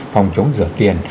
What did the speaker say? phòng chống rửa tiền